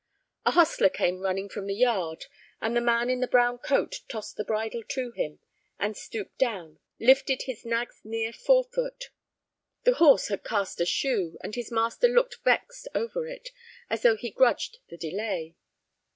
A hostler came running from the yard, and the man in the brown coat tossed the bridle to him, and, stooping down, lifted his nag's near forefoot. The horse had cast a shoe, and his master looked vexed over it, as though he grudged the delay.